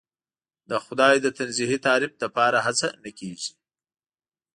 د خدای د تنزیهی تعریف لپاره هڅه نه کېږي.